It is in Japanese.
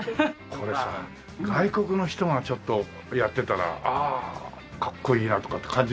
これさ外国の人がちょっとやってたらああかっこいいなとかって感じるかもね。